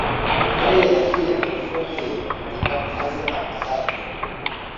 Mariya yakuye terefone ye mu gikapu maze afata ifoto.